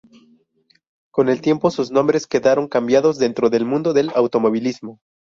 Con el tiempo, sus nombres quedaron cambiados dentro del mundo del automovilismo.